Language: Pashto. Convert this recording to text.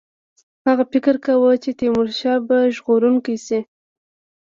هغه فکر کاوه چې تیمورشاه به ژغورونکی شي.